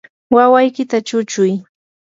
wawaykita chuchuy.